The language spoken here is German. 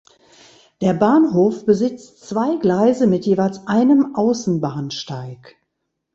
Der Bahnhof besitzt zwei Gleise mit jeweils einem Außenbahnsteig.